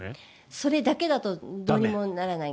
それだけだとどうにもならない。